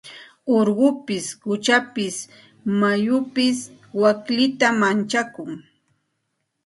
Urqupis quchapis mayupis waklita manchakun.